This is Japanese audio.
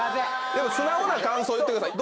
でも素直な感想言ってください。